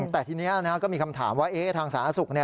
แต่ทีนี้ก็มีคำถามว่าทางสาธารณสุข